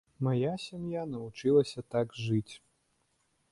Мая сям'я навучылася так жыць.